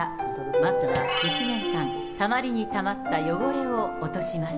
まずは、１年間たまりにたまった汚れを落とします。